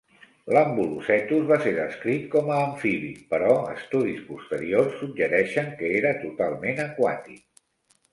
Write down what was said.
L'ambulocetus va ser descrit com a amfibi, però estudis posteriors suggereixen que era totalment aquàtic.